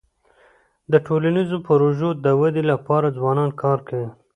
د ټولنیزو پروژو د ودی لپاره ځوانان کار کوي.